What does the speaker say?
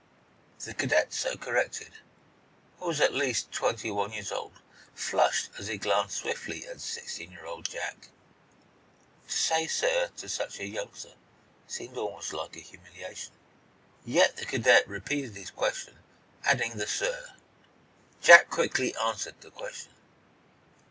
The cadet so corrected, who was at least twenty one years old, flushed as he glanced swiftly at sixteen year old Jack. To say "sir" to such a youngster seemed almost like a humiliation. Yet the cadet repeated his question, adding the "sir." Jack quickly answered the question.